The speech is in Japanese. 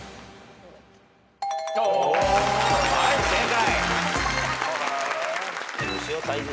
はい正解。